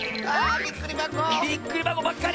びっくりばこばっかり！